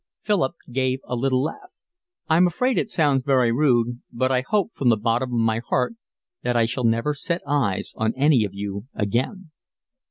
Philip gave a little laugh. "I'm afraid it sounds very rude, but I hope from the bottom of my heart that I shall never set eyes on any of you again."